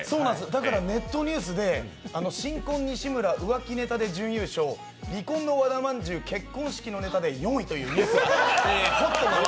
だからネットニュースで新婚西村、浮気ネタで準優勝、離婚の和田まんじゅう、結婚式のネタで４位というニュースが。